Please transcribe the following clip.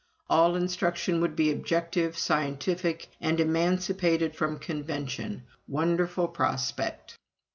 All instruction would be objective, scientific, and emancipated from convention wonderful prospect!